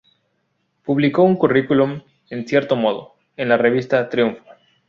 Publicó un "Currículum, en cierto modo", en la revista "Triunfo".